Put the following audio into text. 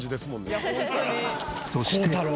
そして。